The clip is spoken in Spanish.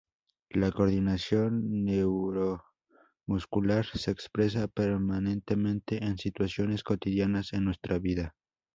La coordinación neuromuscular se expresa permanentemente en situaciones cotidianas en nuestra vida.